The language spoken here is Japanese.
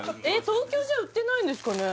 東京じゃ売ってないんですかね？